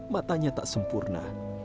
matanya tak sempurna